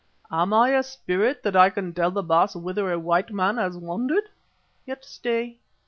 "Am I a spirit that I can tell the Baas whither a white man has wandered? Yet, stay.